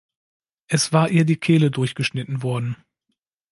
Es war ihr die Kehle durchgeschnitten worden.